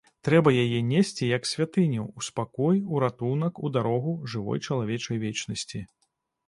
Трэба яе несці, як святыню, у спакой, у ратунак, у дарогу жывой чалавечай вечнасці.